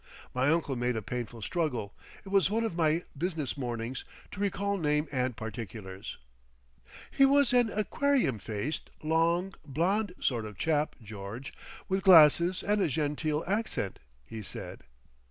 My uncle made a painful struggle—it was one of my business mornings—to recall name and particulars. "He was an aquarium faced, long, blond sort of chap, George, with glasses and a genteel accent," he said.